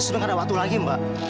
sudah gak ada waktu lagi mbak